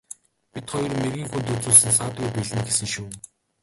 Бид хоёр мэргэн хүнд үзүүлсэн саадгүй биелнэ гэсэн шүү.